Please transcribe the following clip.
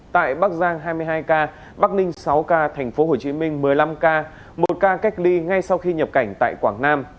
tại bắc giang hai mươi hai ca bắc ninh sáu ca tp hcm một mươi năm ca một ca cách ly ngay sau khi nhập cảnh tại quảng nam